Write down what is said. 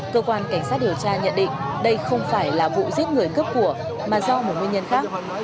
cơ quan cảnh sát điều tra nhận định đây không phải là vụ giết người cướp của mà do một nguyên nhân khác